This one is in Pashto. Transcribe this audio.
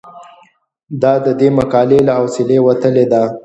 دا د دې مقالې له حوصلې وتلې ده.